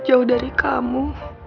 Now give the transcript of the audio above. jauh dari kamu